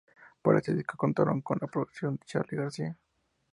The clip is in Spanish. Para este disco contaron con la producción de Charly García.